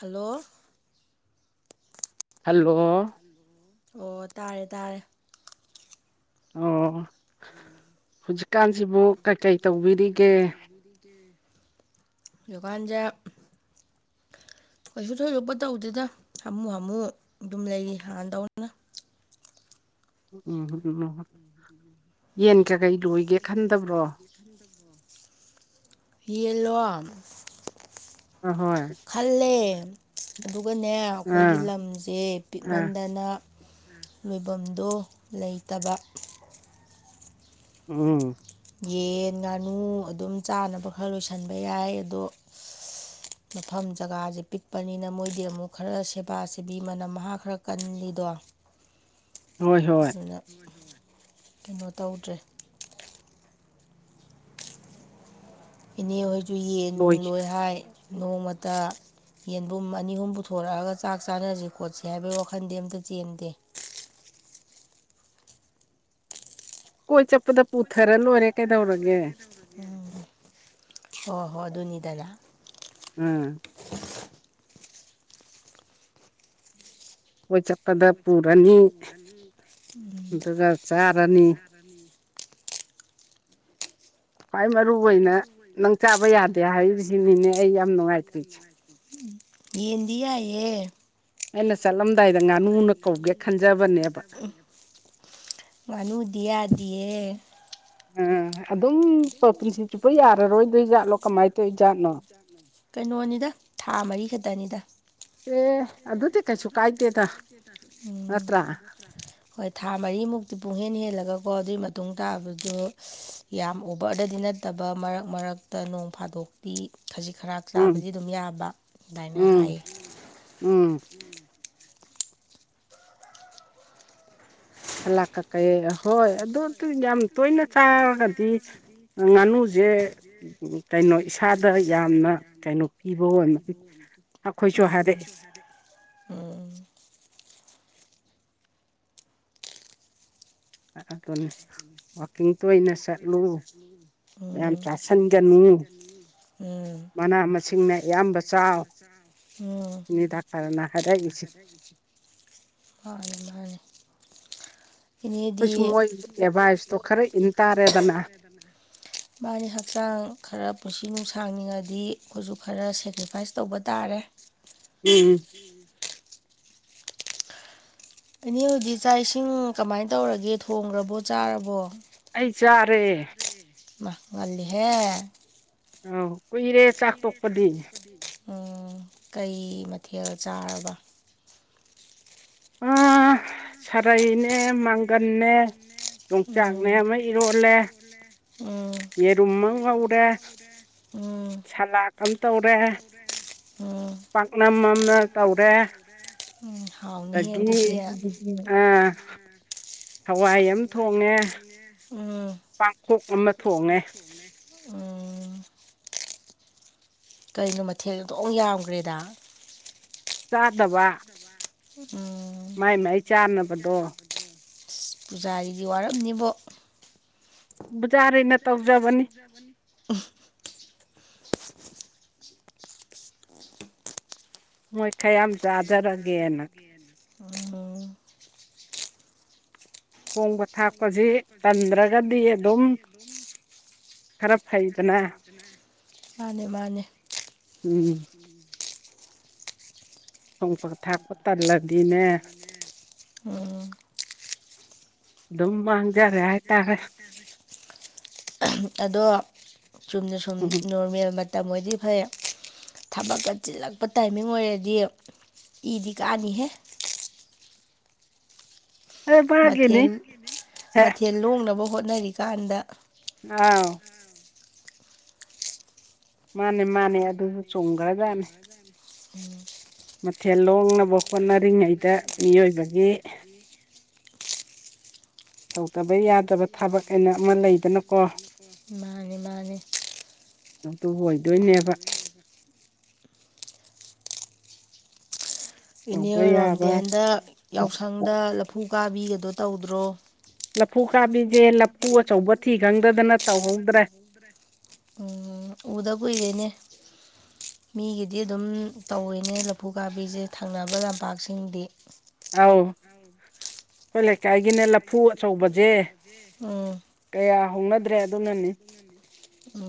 hello hello ꯑꯣ ꯇꯥꯔꯦ ꯇꯥꯔꯦ ꯑꯣ ꯍꯧꯖꯤꯛꯀꯥꯟꯁꯤꯕꯨ ꯀꯩꯀꯩ ꯇꯧꯕꯤꯔꯤꯒꯦ ꯌꯀꯥꯟꯗ ꯀꯩꯁꯨ ꯊꯣꯏꯗꯣꯛꯄ ꯇꯧꯗꯦꯗ ꯍꯥꯃꯨ ꯍꯥꯃꯨ ꯑꯗꯨꯝ ꯂꯩꯔꯤ ꯍꯥꯟꯅ ꯇꯧꯅ ꯎꯝꯝ ꯎꯝ ꯎꯝ ꯌꯦꯟ ꯀ ꯀꯩ ꯂꯣꯏꯒꯦ ꯌꯦ ꯆ ꯈꯟꯗꯕ꯭ꯔꯣ ꯇꯦꯟꯔꯤꯦ ꯌꯦꯂꯣ ꯑ ꯍꯣꯏ ꯈꯜꯂꯦ ꯑꯗꯨꯒꯅꯦ ꯑꯥ ꯑꯩꯈꯣꯏꯒꯤ ꯂꯝꯁꯦ ꯑꯥ ꯄꯤꯛꯃꯟꯗꯅ ꯂꯣꯏꯐꯝꯗꯣ ꯂꯩꯇꯕ ꯎꯝ ꯌꯦꯟ ꯉꯥꯅꯨ ꯑꯗꯨꯝ ꯆꯥꯅꯕ ꯈꯔ ꯂꯣꯏꯁꯤꯟꯕ ꯌꯥꯏ ꯑꯗꯣ [inaudible] [inaudible] ꯃꯐꯝ ꯖꯒꯥꯁꯦ ꯄꯤꯛꯄꯅꯤꯅ ꯃꯣꯏꯗꯤ ꯑꯃꯨꯛ ꯈꯔ ꯁꯦꯕꯥ ꯁꯦꯕꯤ ꯃꯅꯝ ꯃꯍꯥꯛ ꯈꯔ ꯀꯜꯂꯤꯗꯣ [inaudible] [inaudible] ꯍꯣꯏ ꯁꯤꯅ ꯀꯩꯅꯣ ꯇꯧꯗ꯭ꯔꯦ ꯏꯅꯦꯍꯣꯏꯁꯨ ꯌꯦꯟ ꯅꯨꯡ ꯂꯣꯏ ꯍꯥꯏ ꯅꯣꯡꯃꯇ ꯌꯦꯟꯕꯨꯝ ꯑꯅꯤ ꯑꯍꯨꯝ ꯄꯨꯊꯣꯔꯛꯑꯒ ꯆꯥꯛ ꯆꯥꯅꯔꯁꯤ ꯈꯣꯠꯁꯤ ꯍꯥꯏꯕꯩ ꯋꯥꯈꯟꯗꯤ ꯑꯝꯇ ꯆꯦꯟꯗꯦ ꯀꯣꯏ ꯆꯠꯄꯗ ꯄꯨꯊꯔ ꯂꯣꯏꯔꯦ ꯀꯩꯗꯧꯔꯒꯦ ꯍꯣꯏ ꯍꯣꯏ ꯑꯗꯨꯅꯤꯗꯗꯥ ꯎꯝ ꯀꯣꯏ ꯆꯠꯄꯗ ꯄꯨꯔꯅꯤ ꯑꯗꯨꯒ ꯆꯥꯔꯅꯤ ꯃꯔꯅꯤ ꯈ꯭ꯋꯥꯏ ꯃꯔꯨꯏ ꯑꯣꯏꯅ ꯅꯪ ꯆꯥꯕ ꯌꯥꯗꯦ ꯍꯥꯏꯔꯤꯁꯤꯅꯤꯅꯦ ꯑꯩ ꯌꯥꯝ ꯅꯨꯡꯉꯥꯏꯇ꯭ꯔꯤꯁꯦ ꯌꯦꯟꯗꯤ ꯌꯥꯏꯌꯦ ꯑꯩꯅ ꯆꯠꯂꯝꯗꯥꯏꯗ ꯉꯥꯅꯨꯅ ꯀꯧꯒꯦ ꯈꯟꯖꯕꯅꯦꯕ ꯉꯥꯅꯨꯗꯤ ꯌꯥꯗꯤꯌꯦ ꯎꯝ ꯑꯗꯨꯝ ꯄꯨꯟꯁꯤ ꯆꯨꯞꯄ ꯌꯥꯔꯔꯣꯏꯗꯣꯏ ꯖꯥꯠꯂꯣ ꯀꯃꯥꯏꯅ ꯇꯧꯏ ꯖꯥꯠꯅꯣ ꯀꯩꯅꯣꯅꯤꯗ ꯊꯥ ꯃꯔꯤ ꯈꯛꯇꯅꯤꯗ ꯑꯦ ꯑꯗꯨꯗꯤ ꯀꯩꯁꯨ ꯀꯥꯏꯗꯦꯗ ꯎꯝ ꯅꯠꯇ꯭ꯔꯥ ꯍꯣꯏ ꯊꯥ ꯃꯔꯤꯃꯨꯛꯇꯤ ꯄꯨꯡꯍꯦꯟ ꯍꯦꯜꯂꯒꯀꯣ ꯑꯗꯨꯒꯤ ꯃꯇꯨꯡ ꯇꯥꯕꯗꯨ ꯌꯥꯝ ꯑꯣꯕꯔꯗꯗꯤ ꯅꯠꯇꯕ ꯃꯔꯛ ꯃꯔꯛꯇ ꯅꯣꯡ ꯐꯥꯗꯣꯛꯇꯤ ꯈꯖꯤꯛ ꯈꯔ ꯎꯝ ꯆꯥꯕꯗꯤ ꯑꯗꯨꯝ ꯌꯥꯕ ꯑꯗꯨꯃꯥꯏꯅ ꯍꯥꯏꯌꯦ ꯎꯝ ꯎꯝ ꯂꯥꯛ ꯀ ꯀꯩ ꯍꯣꯏ ꯑꯗꯨꯗ ꯌꯥꯝ ꯇꯣꯏꯅ ꯆꯥꯔꯒꯗꯤ ꯉꯥꯅꯨꯁꯦ ꯀꯩꯅꯣ ꯏꯁꯥꯗ ꯌꯥꯝꯅ ꯀꯩꯅꯣ ꯄꯤꯕ ꯑꯣꯏꯕ ꯎꯝ ꯎꯝ ꯑꯗꯨꯅꯤ ꯋꯥꯛꯀꯤꯡ ꯇꯣꯏꯅ ꯎꯇꯤ ꯆꯠꯂꯨ ꯇꯣꯏꯅ ꯆꯥꯅꯤ ꯌꯥꯝ ꯆꯥꯁꯟꯒꯅꯤ ꯎꯝ ꯎꯝ ꯃꯅꯥ ꯃꯥꯅꯦ ꯃꯁꯤꯡꯅ ꯑꯌꯥꯝꯕ ꯆꯥꯎ ꯁꯤꯅꯤ ꯗꯥꯛꯇꯔꯅ ꯍꯥꯏꯔꯛꯏꯁꯤ ꯃꯥꯅꯤ ꯏꯅꯦꯗꯤ ꯑꯩꯈꯣꯏꯁꯨ ꯃꯣꯏ ꯑꯦꯗꯚꯥꯏꯁꯇꯣ ꯈꯔ ꯏꯟ ꯇꯥꯔꯦꯗꯅ ꯃꯥꯒꯤ ꯍꯛꯆꯥꯡ ꯈꯔ ꯄꯨꯟꯁꯤ ꯅꯨꯡꯁꯥꯡꯅꯤꯡꯉꯗꯤ ꯑꯩꯈꯣꯏꯁꯨ ꯈꯔ ꯁꯦꯀ꯭ꯔꯤꯐꯥꯏꯁ ꯇꯧꯕ ꯇꯥꯔꯦ ꯎꯝ ꯎꯝ [inaudible] ꯏꯅꯦ ꯍꯣꯢꯗꯤ ꯆꯥꯛ ꯏꯁꯤꯡ ꯀꯃꯥꯏꯅ ꯇꯧꯔꯒꯦ ꯊꯣꯡꯈ꯭ꯔꯕꯣ ꯆꯥꯔꯕꯣ ꯑꯩ ꯆꯥꯔꯦ ꯉꯜꯂꯤꯍꯦ ꯑꯧ ꯀꯨꯏꯔꯦ ꯆꯥꯛ ꯇꯣꯛꯄꯗꯤ ꯎꯝ ꯀꯩ ꯃꯊꯦꯜ ꯆꯥꯔꯕ ꯎꯥ ꯁꯔꯥꯏꯅꯦ ꯃꯒꯟꯅꯦ ꯎꯝ ꯌꯣꯡꯆꯥꯛꯅꯦ ꯑꯃ ꯏꯔꯣꯜꯂꯦ ꯎꯝ ꯌꯦꯔꯃ ꯉ ꯎꯔ ꯎꯝ ꯁꯂꯥ ꯀꯝ ꯇꯧꯔꯦ ꯎꯝ ꯄꯥꯛꯅꯝ ꯑꯃꯅ ꯇꯧꯔꯦ ꯎꯝ ꯍꯥꯎꯅꯤꯍꯦ ꯑꯗꯒꯤ ꯑꯗꯨꯗꯤ ꯎ ꯑꯥ ꯍꯋꯥꯏ ꯑꯃ ꯊꯣꯡꯉꯦ ꯎꯝ ꯄꯥꯡꯈꯣꯛ ꯑꯃ ꯊꯣꯡꯉꯦ [inaudible] ꯀꯩꯅꯣ ꯃꯊꯦꯜꯗꯣꯛ ꯌꯥꯝꯈ꯭ꯔꯦꯗ ꯆꯥꯗꯕ [inaudible] ꯑꯁ ꯃꯥꯏ ꯃꯥꯏ ꯆꯥꯅꯕꯗꯣ ꯄꯨꯖꯥꯔꯤꯗꯤ ꯋꯥꯔꯝꯅꯤꯕꯣ ꯕꯖꯥꯔꯩꯅ ꯇꯧꯖꯕꯅꯤ ꯔꯕꯅꯤ [unintelligible] ꯃꯣꯏ ꯈꯌꯥꯝ ꯆꯥꯖꯔꯒꯦꯅ ꯍꯜꯂꯣ ꯊꯣꯡꯕ ꯊꯥꯛꯄꯁꯤ ꯄꯨꯟꯕꯊꯥꯄꯚ ꯇ ꯇꯟꯗ꯭ꯔꯒꯗꯤ ꯔꯒꯕꯤ ꯑꯗꯨꯝ ꯈꯔ ꯐꯩꯗꯅ ꯃꯥꯅꯦ ꯃꯥꯅꯦ ꯎꯝ ꯊꯣꯡꯕ ꯊꯥꯛꯄ ꯇꯜꯂꯗꯤꯅꯦ ꯎꯝ ꯑꯗꯨꯃ ꯍꯪꯖꯦ ꯍꯥꯏꯔ ꯑꯗꯣ ꯆꯨꯝꯅ ꯁꯨꯝ ꯎꯝ ꯅꯣꯔꯃꯦꯜ ꯃꯇꯝ ꯑꯣꯏꯗꯤ ꯐꯩ ꯊꯕꯛꯀ ꯆꯤꯜꯂꯛꯄ ꯇꯥꯏꯃꯤꯡ ꯑꯣꯏꯔꯗꯤ ꯏꯗꯤ ꯀꯥꯅꯤꯍꯦ ꯑꯦ ꯚꯥꯒꯤꯅꯤ ꯃꯊꯦꯜ ꯍꯦ ꯃꯊꯦꯜ ꯂꯣꯡꯅꯕ ꯍꯣꯠꯅꯔꯤꯀꯥꯟꯗ ꯑꯥꯎ ꯃꯥꯅꯦ ꯃꯥꯅꯦ ꯑꯗꯨ ꯆꯨꯝꯒꯔꯖꯥꯠꯅꯦ ꯎꯝ ꯃꯊꯦꯜ ꯂꯣꯡꯅꯕ ꯍꯣꯠꯅꯔꯤꯉꯩꯗ ꯃꯤꯑꯣꯏꯕꯒꯤ ꯇꯧꯗꯕ ꯌꯥꯗꯕ ꯊꯕꯛ ꯑꯅ ꯑꯃ ꯂꯩꯗꯅꯀꯣ ꯃꯥꯅꯦ ꯃꯥꯅꯦ ꯑꯗꯨꯗꯨꯕꯨ ꯑꯣꯏꯗꯣꯏꯅꯦꯕ ꯏꯅꯦ ꯇꯧꯕ ꯍꯣꯏꯔꯣꯝꯗꯤ ꯌꯥꯕ ꯍꯟꯗꯛ ꯌꯥꯎꯁꯪꯗ ꯂꯐꯨ ꯀꯥꯕꯤꯒꯗꯣ ꯇꯧꯗ꯭ꯔꯣ ꯂꯐꯨ ꯀꯥꯕꯤꯁꯦ ꯂꯐꯨ ꯑꯆꯧꯕ ꯊꯤ ꯈꯪꯗꯗꯅ ꯇꯧꯍꯧꯗ꯭ꯔ ꯑꯗꯨꯗ꯭ꯔꯦ ꯎꯝ ꯎꯗ ꯀꯨꯏꯔꯦꯅꯦ ꯃꯤꯒꯤꯗꯤ ꯑꯗꯨꯝ ꯇꯧꯋꯤꯅꯦ ꯂꯐꯨ ꯀꯥꯕꯤꯁꯦ ꯊꯪꯅꯕ ꯂꯝꯄꯥꯛꯁꯤꯡꯗꯤ ꯑꯥꯎ ꯑꯩꯈꯣꯏ ꯂꯩꯀꯥꯏꯒꯤꯅꯦ ꯂꯐꯨ ꯑꯆꯧꯕꯁꯦ ꯎꯝ ꯀꯌꯥ ꯍꯧꯣꯡꯅꯗ꯭ꯔꯦ ꯑꯗꯨꯅꯅꯤ ꯎ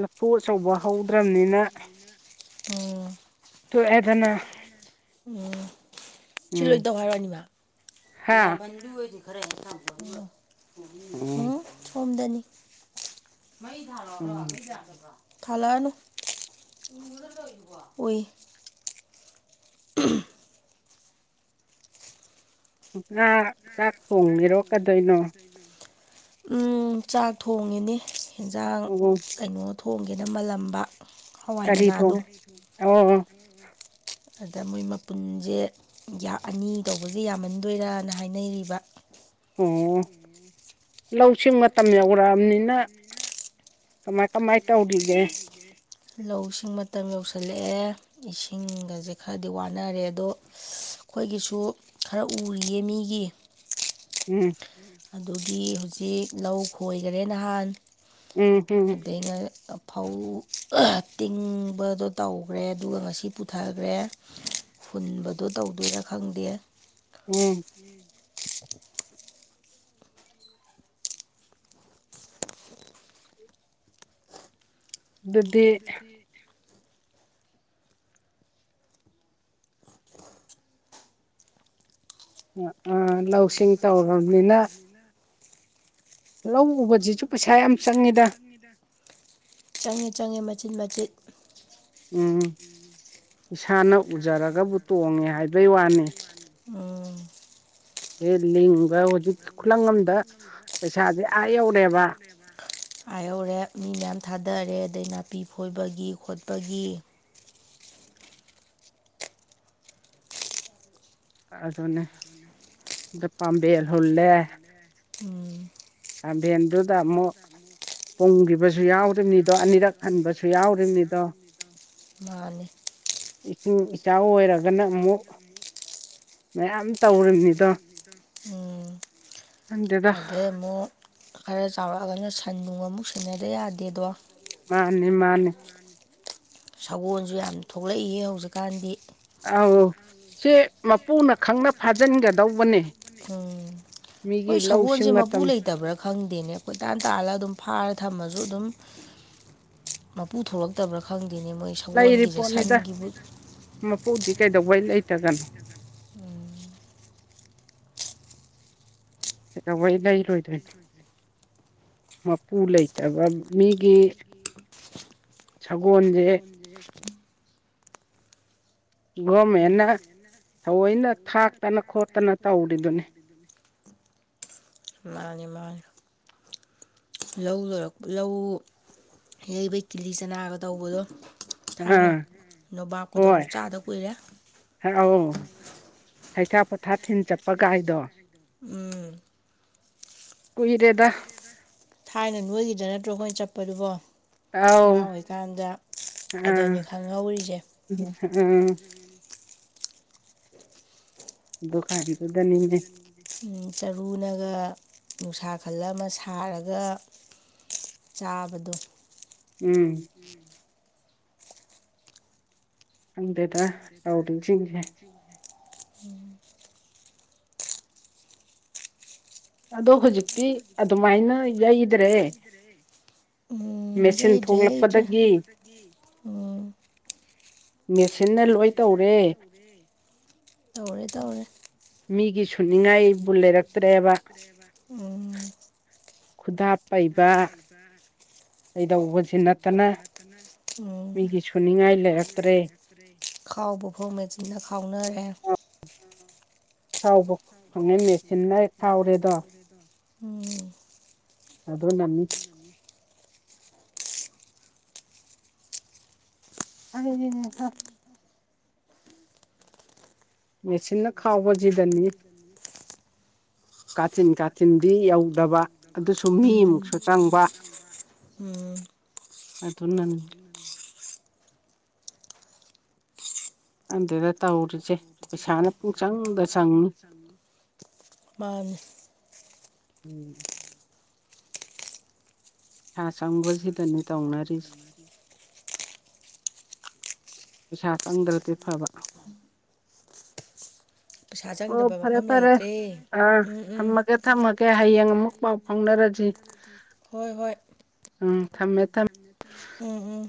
ꯂꯐꯨ ꯑꯆꯧꯕ ꯍꯧꯗ꯭ꯔꯕꯅꯤꯅ ꯑꯣꯝ ꯣ ꯑꯦꯗꯅ ꯎꯝ ꯁꯤ ꯎꯝ ꯂꯣꯏ ꯇꯧ ꯍꯥꯏꯔꯛꯅꯤꯕ ꯍꯥ ꯌꯥꯝꯕꯅ ꯂꯨ ꯑꯣꯏꯗꯤ ꯈꯔ ꯍꯦꯟꯅꯖ ꯎꯝ ꯁꯣꯝꯗꯅꯤ ꯎꯝ ꯊꯂꯅ ꯑꯣꯏꯣꯏ ꯆꯥꯛ ꯊꯣꯡꯕꯤꯔꯣ ꯀꯗꯣꯏꯅꯣ ꯎꯝ ꯆꯥꯛ ꯊꯣꯡꯉꯤꯅꯤ ꯑꯦꯟꯖꯥꯡ ꯑꯣ ꯀꯩꯅꯣ ꯊꯣꯡꯒꯦꯅ ꯃꯥꯜꯂꯝꯕ ꯍꯋꯥꯏ ꯀꯔꯤ ꯊ ꯃꯅꯥꯗꯣ ꯑꯣ ꯑꯗ ꯃꯣꯏ ꯃꯄꯨꯟꯁꯦ ꯑꯅꯤ ꯇꯧꯕꯁꯦ ꯌꯥꯝꯃꯟꯗꯣꯏꯔꯅ ꯍꯥꯏꯅꯔꯤꯕ ꯑꯣ ꯎꯝ ꯂꯧꯁꯤꯡ ꯃꯇꯝ ꯌꯧꯔꯛꯑꯅꯤ ꯀꯃꯥꯏ ꯀꯃꯥꯏ ꯇꯧꯔꯒ ꯂꯧꯁꯤꯡ ꯃꯇꯝ ꯌꯧꯁꯤꯜꯂꯛꯑꯦ ꯏꯁꯤꯡꯒꯁꯦ ꯈꯔꯗꯤ ꯋꯥꯅꯔꯦ ꯑꯗꯣ ꯑꯩꯈꯣꯏꯒꯤꯁꯨ ꯈꯔ ꯎꯔꯤꯌꯦ ꯃꯤꯒꯤ ꯎꯝ ꯑꯗꯨꯒꯤ ꯍꯧꯖꯤꯛ ꯂꯧ ꯈꯣꯏꯈꯔꯦ ꯅꯍꯥꯟ ꯎꯝ ꯎꯝ ꯗꯒꯤꯩꯅ ꯐꯧ ꯇꯤꯡꯕꯗꯣ ꯇꯧꯈ꯭ꯔꯦ ꯑꯗꯨꯒ ꯉꯁꯤ ꯄꯨꯊꯈ꯭ꯔꯦ ꯍꯨꯟꯕꯗꯣ ꯇꯧꯗꯣꯏꯔꯥ ꯈꯪꯗꯦ ꯎꯝ ꯎꯝ [unintelligible] ꯑꯗꯨꯗꯤ ꯑ ꯂꯧꯁꯤꯡ ꯇꯧꯔꯕꯅꯤꯅ ꯂꯧ ꯎꯕꯁꯤꯁꯨ ꯄꯩꯁꯥ ꯌꯥꯝ ꯆꯪꯉꯤꯗ ꯆꯪꯉꯦ ꯆꯪꯉꯦ ꯃꯆꯤꯠ ꯃꯆꯤꯠ ꯎꯝ ꯏꯁꯥꯅ ꯎꯖꯔꯒꯕꯨ ꯇꯣꯡꯉꯦ ꯍꯥꯏꯕꯩ ꯋꯥꯅꯤ ꯎꯝ ꯂꯤꯡꯕ ꯍꯧꯖꯤꯛꯀꯤ ꯈꯨꯂꯪ ꯑꯝꯗ ꯄꯩꯁꯥꯗꯤ ꯑꯥ ꯌꯧꯔꯦꯕ ꯑ ꯑꯣꯔꯦ ꯎꯝ ꯊꯥꯗꯔꯦ ꯑꯗꯩ ꯅꯥꯄꯤ ꯐꯣꯏꯕꯒꯤ ꯈꯣꯠꯄꯒꯤ ꯑꯗꯨꯨꯅꯦ ꯄꯥꯝꯕꯤ ꯍꯨꯜꯂꯦ ꯎꯝ ꯄꯥꯝꯕꯦꯟꯗꯨꯗꯥ ꯑꯃꯨꯛ ꯄꯨꯝꯒꯤꯕꯁꯨ ꯌꯥꯎꯔꯤꯝꯅꯤꯗꯣ ꯑꯅꯤꯔꯛ ꯍꯟꯕꯁꯨ ꯌꯥꯎꯔꯤꯝꯅꯤꯗꯣ ꯃꯥꯅꯦ ꯏꯁꯤꯡ ꯏꯆꯥꯎ ꯑꯣꯏꯔꯒꯅ ꯑꯃꯨꯛ ꯃꯌꯥꯝ ꯇꯧꯔꯤꯝꯅꯤꯗꯣ [unintelligible] ꯑꯗꯩ ꯑꯃꯨꯛ ꯈꯔ ꯆꯥꯎꯔꯛꯑꯒꯅ ꯁꯟ ꯅꯨꯡ ꯑꯃꯨꯛ ꯁꯦꯟꯅꯗ ꯌꯥꯗꯦꯗꯣ ꯃꯥꯅꯦ ꯃꯥꯅꯦ ꯁꯒꯣꯜꯁꯨ ꯌꯥꯝ ꯊꯣꯛꯂꯛꯏꯌꯦ ꯍꯧꯖꯤꯛꯀꯥꯟꯗꯤ ꯑꯧ ꯁꯤ ꯃꯄꯨꯅ ꯈꯪꯅ ꯐꯥꯖꯤꯟꯒꯗꯧꯕꯅꯦ ꯎꯝ ꯃꯤꯒꯤ ꯍꯣꯏ ꯁꯒꯣꯜꯁꯦ ꯂꯧꯁꯤꯡ ꯃꯄꯨ ꯃꯇꯝ ꯂꯩꯇꯕ꯭ꯔꯥ ꯈꯪꯗꯦꯅꯦ ꯀꯣꯏ ꯇꯥꯟ ꯇꯥꯜꯂ ꯑꯗꯨꯝ ꯐꯥꯔ ꯊꯝꯃꯁꯨ ꯑꯗꯨꯝ ꯃꯄꯨ ꯊꯣꯛꯂꯛꯇꯕ꯭ꯔꯥ ꯈꯪꯗꯦꯅꯦ ꯃꯣꯏ ꯂꯩꯔꯤ ꯁꯒꯣꯜꯒꯤꯁꯦ ꯄꯣꯠꯅꯤꯗ ꯁꯟꯒꯤꯕꯨ ꯃꯄꯨꯗꯤ ꯀꯩꯗꯧꯕꯩ ꯂꯩꯇꯒꯅꯣ ꯎꯝ ꯀꯩꯗꯧꯕꯩ ꯂꯩꯔꯣꯏꯗꯣꯏꯅꯣ ꯃꯥꯄꯨ ꯂꯩꯇꯕ ꯃꯤꯒꯤ ꯁꯒꯣꯟꯖꯦ [unintelligible] ꯒꯣꯔꯃꯦꯟꯅ ꯊꯑꯣꯏꯅ ꯊꯥꯛꯇꯅ ꯈꯣꯠꯇꯅ ꯇꯧꯔꯤꯗꯨꯅꯤ ꯃꯥꯅꯤ ꯃꯥꯅꯤ ꯂꯧ ꯂꯣꯏꯔꯛ ꯂꯧ ꯌꯩꯕꯩ ꯀꯤꯂꯤ ꯆꯅꯥꯒ ꯇꯧꯕꯗꯣ ꯊꯥꯏꯅ ꯑꯥ ꯅꯣꯕꯥꯞꯀꯇꯧꯕ ꯍꯣꯏ ꯆꯥꯗ ꯀꯨꯏꯔꯦ ꯑꯧ ꯍꯩꯊꯥ ꯄꯣꯊꯥ ꯊꯤꯟ ꯆꯠꯄ ꯒꯥꯥꯏꯗꯣ ꯎꯝ ꯀꯨꯏꯔꯦꯗ ꯊꯥꯏꯅ ꯅꯣꯏꯒꯤꯗ ꯅꯠꯇ꯭ꯔꯣ ꯈꯣꯏꯅ ꯆꯠꯄꯗꯨꯕꯣ ꯑꯉꯥꯡ ꯑꯥꯎ ꯑꯣꯏꯀꯥꯟꯗ ꯑꯥ ꯑꯗꯅꯦ ꯈꯪꯍꯧꯔꯤꯁꯦ ꯎꯝ ꯗꯨ ꯀꯟꯒꯤꯗꯨꯗꯅꯤꯅꯦ ꯆꯔꯨꯅꯒ ꯅꯨꯡꯁꯥ ꯈꯜ ꯑꯃ ꯁꯥꯔꯒ ꯆꯥꯕꯗꯣ ꯎꯝ ꯈꯪꯗꯦꯗ ꯇꯧꯔꯤꯁꯤꯡꯁꯦ [unintelligible] [unintelligible] ꯑꯗꯣ ꯍꯧꯖꯤꯛꯇꯤ ꯑꯗꯨꯃꯥꯏꯅ ꯌꯩꯗ꯭ꯔꯦ ꯎꯝ ꯃꯦꯆꯤꯟ ꯌꯩꯗ꯭ꯔꯦ ꯌꯩꯗ꯭ꯔꯦ ꯊꯣꯛꯂꯛꯄꯗꯒꯤ ꯎꯝ ꯃꯦꯁꯤꯟꯅ ꯂꯣꯏ ꯇꯧꯔꯦ ꯇꯧꯔꯦ ꯇꯧꯔꯦ ꯃꯤꯒꯤ ꯁꯨꯅꯤꯡꯉꯥꯏꯕꯨ ꯂꯩꯔꯛꯇ꯭ꯔꯦꯕ ꯎꯝ ꯈꯨꯗꯞ [unintelligible] ꯀꯩꯗꯧꯕꯁꯤ ꯅꯠꯇꯅ ꯎꯝ ꯃꯤꯒꯤ ꯁꯨꯅꯤꯡꯉꯥꯏ ꯂꯩꯔꯛꯇ꯭ꯔꯦ ꯈꯥꯎꯕ ꯐꯥꯎ ꯃꯦꯆꯤꯟꯅ ꯈꯥꯎꯅꯔꯦ ꯈꯥꯎꯕ ꯐꯪꯉꯦ ꯃꯦꯆꯤꯟꯅ ꯈꯥꯎꯔꯦꯗꯣ ꯎꯝ ꯑꯗꯨꯗꯅꯅꯤ ꯑꯗꯨꯅꯤꯅꯦꯍꯥ ꯃꯦꯆꯤꯟꯅ ꯈꯥꯎꯕꯁꯤꯗꯅꯤ ꯀꯥꯆꯤꯟ ꯀꯥꯆꯤꯟꯗꯤ ꯌꯧꯗꯕ ꯑꯗꯨꯁꯨ ꯎꯝ ꯃꯤꯃꯨꯛꯁꯨ ꯆꯪꯕ ꯎꯝ ꯑꯗꯨꯅꯅꯤ ꯑꯗꯨꯗ ꯇꯧꯔꯤꯁꯦ ꯄꯩꯁꯥꯅ ꯄꯨꯡꯆꯪꯗ ꯆꯪꯏ ꯃꯅꯤ [unintelligible] ꯁꯥꯥ ꯆꯪꯕꯁꯤꯗꯅꯤ ꯇꯧꯅꯔꯤꯁ ꯄꯩꯁꯥ ꯆꯪꯗ꯭ꯔꯗꯤ ꯐꯕ ꯄꯩꯁꯥ ꯑꯣ ꯆꯪꯗꯕ ꯐꯔꯦ ꯃꯐꯝ ꯐꯔꯦ ꯂꯩꯇ꯭ꯔꯦ ꯑ ꯎꯝ ꯎꯝ ꯊꯃꯒ ꯊꯝꯃꯒꯦ ꯍꯌꯦꯡ ꯑꯃꯨꯛ ꯄꯥꯎ ꯐꯥꯎꯅꯔꯁꯤ ꯍꯣꯏ ꯍꯣꯏ ꯎꯝ ꯊꯝꯃꯦ ꯊꯝꯃꯦ ꯎꯝ ꯎꯝ